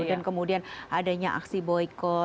dan kemudian adanya aksi boykot